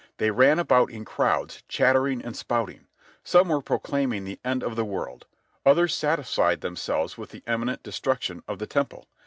They ran about in crowds, chattering and spouting. Some were proclaiming the end of the world. Others satisfied themselves with the imminent destruction of the Temple.